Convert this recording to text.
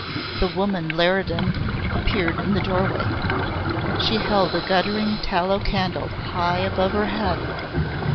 The woman Leridan appeared in the doorway. She held a guttering tallow candle high above her head.